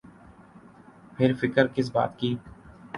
پھر فکر کس بات کی۔